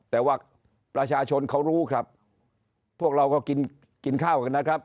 แต่ว่าประชาชนเขารู้ครับพวกเราก็กินกินข้าวกันนะครับ